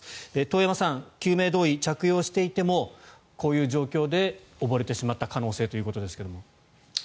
遠山さん救命胴衣、着用していてもこういう状況で溺れてしまった可能性ということですが。